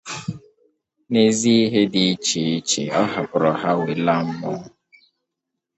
nà ezi ihe dị iche iche ọ hapụụrụ ha wee laa mmụọ